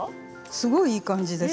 すごいいい感じです。